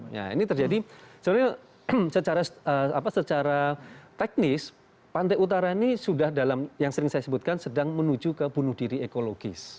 nah ini terjadi sebenarnya secara teknis pantai utara ini sudah dalam yang sering saya sebutkan sedang menuju ke bunuh diri ekologis